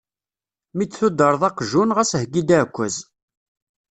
Mi d-tuddreḍ aqjun, ɣas heggi-d aɛekkaz.